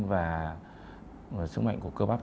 và sức mạnh của cơ bắp